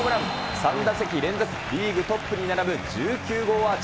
３打席連続、リーグトップに並ぶ１９号アーチ。